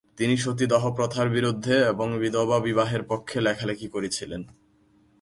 তিনি সতীদাহ প্রথার বিরুদ্ধে এবং বিধবা-বিবাহের পক্ষে লেখালেখি করেছিলেন ।